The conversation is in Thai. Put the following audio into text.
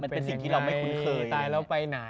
มันเป็นสิ่งที่เราไม่คุ้นเคย